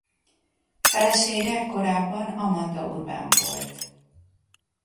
Felesége korábban Amanda Urban volt.